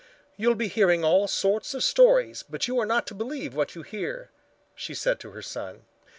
"You'll be hearing all sorts of stories, but you are not to believe what you hear," she said to her son.